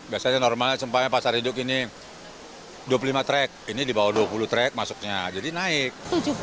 biasanya normalnya sempat pasar hidup ini dua puluh lima trek ini di bawah dua puluh trek masuknya jadi naik